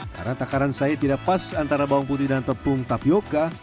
karena takaran saya tidak pas antara bawang putih dan tepung tapioca